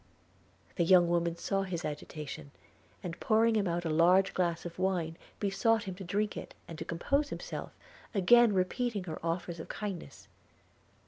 The young woman saw his agitation, and pouring him out a large glass of wine, besought him to drink it, and to compose himself, again repeating her offers of kindness.